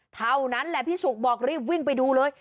เท่านั้นแหละพี่สุกบอกรีบวิ่งไปดูเลย